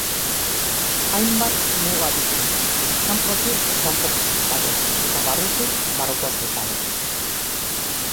Hainbat muga ditu: kanpotik, kanpoko zutabea, eta barrutik, barruko zutabea.